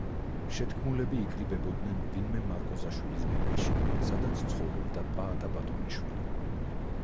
შეთქმულები იკრიბებოდნენ ვინმე მარკოზაშვილის ბინაში, სადაც ცხოვრობდა პაატა ბატონიშვილი.